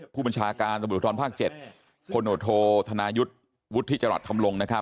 ผู้บัญชาการตำรวจภูทรภาค๗คนโดโทธธนายุทธ์วุฒิจรรรย์ทำลงนะครับ